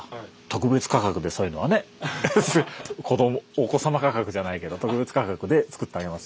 お子様価格じゃないけど特別価格で作ってあげますよ。